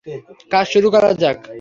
কাজ শুরু করা যাক?